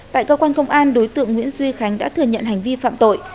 tại cơ quan công an đối tượng nguyễn duy khánh đã thừa nhận hành vi phạm tội